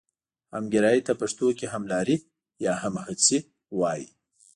همګرایي ته پښتو کې هملاري یا همهڅي وايي.